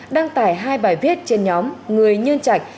đăng tải hai bài viết trên nhóm người nhân trạch